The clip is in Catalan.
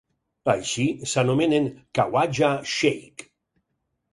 Així, s'anomenen "Khawaja Sheikh".